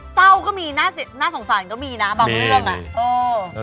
เศร้าก็มีน่าสงสารก็มีนะบางเรื่องอ่ะเออ